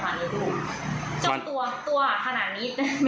ก็เป็นนะคะเป็นนะคะตัวตัวบางนั้นขนาดนี้ยายค่ะ